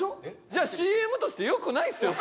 じゃあＣＭとしてよくないですよ